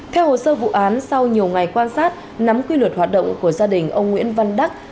theo hồ sơ vụ án sau nhiều ngày quan sát nắm quy luật hoạt động của gia đình ông nguyễn văn đắc